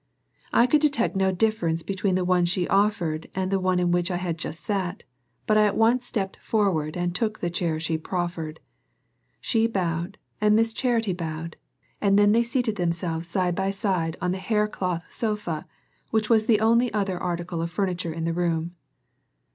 I could detect no difference between the one she offered and the one in which I had just sat, but I at once stepped forward and took the chair she proffered. She bowed and Miss Charity bowed, and then they seated themselves side by side on the hair cloth sofa, which was the only other article of furniture in the room.